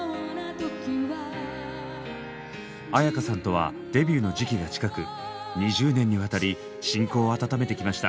絢香さんとはデビューの時期が近く２０年にわたり親交を温めてきました。